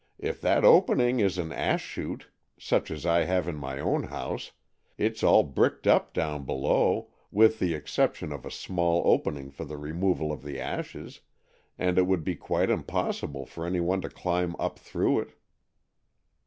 "If that opening is an ash chute, such as I have in my own house, it is all bricked up down below, with the exception of a small opening for the removal of the ashes, and it would be quite impossible for any one to climb up through it."